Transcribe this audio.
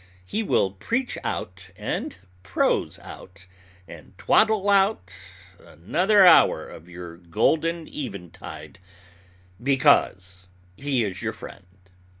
he will preach out, and prose out, and twaddle out another hour of your golden eventide, "because he is your friend."